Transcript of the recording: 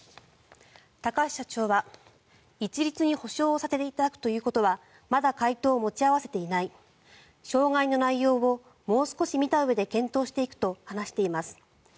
高橋社長は一律に補償させていただくということはまだ回答を持ち合わせていない障害の内容をもう少し見たうえで検討していくと話しています。